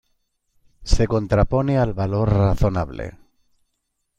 Se contrapone al valor razonable.